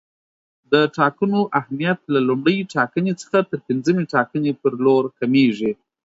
د ټاکنو اهمیت له لومړۍ ټاکنې څخه تر پنځمې ټاکنې پر لور کمیږي.